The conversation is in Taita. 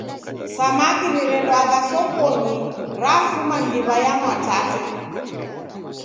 Samaki riredwagha sokonyi rafuma ndiw'a ya Mwatate.